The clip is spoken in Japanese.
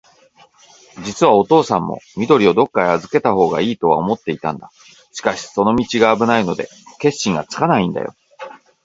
じつはおとうさんも、緑をどっかへあずけたほうがいいとは思っていたんだ。しかし、その道があぶないので、決心がつかないんだよ。